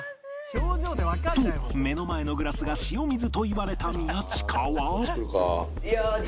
と目の前のグラスが塩水と言われた宮近は